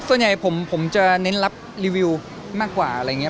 ส่วนใหญ่ผมจะเน้นรับรีวิวมากกว่าอะไรอย่างนี้